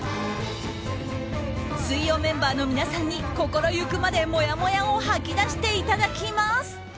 水曜メンバーの皆さんに心ゆくまでもやもやを吐き出していただきます！